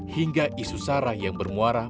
hingga isu sara yang bermuara